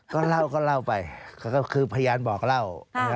ก็เล่าก็เล่าไปก็คือพยานบอกเล่า